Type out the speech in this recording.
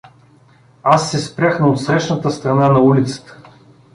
Аз се спрях на отсрещната страна на улицата.